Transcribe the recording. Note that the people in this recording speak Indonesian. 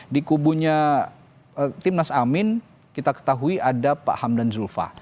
di kubunya timnas amin kita ketahui ada pak hamdan zulfa